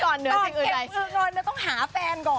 เก็บเงินก่อนแล้วต้องหาแฟนก่อน